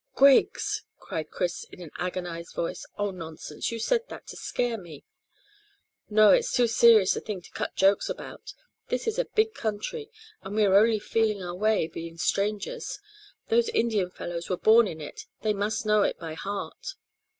"Griggs!" cried Chris in an agonised voice. "Oh, nonsense! You said that to scare me." "No; it's too serious a thing to cut jokes about. This is a big country, and we are only feeling our way, being strangers. Those Indian fellows were born in it, and must know it by heart."